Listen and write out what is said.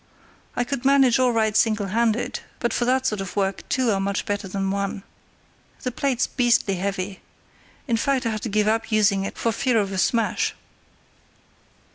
I could manage all right single handed, but for that sort of work two are much better than one. The plate's beastly heavy; in fact, I had to give up using it for fear of a smash."